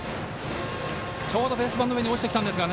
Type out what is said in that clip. ちょうどベース板の上に落ちてきたんですが。